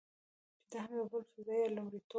چې دا هم یو بل فضايي لومړیتوب و.